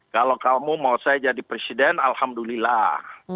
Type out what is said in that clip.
kalau kamu mau saya jadi presiden alhamdulillah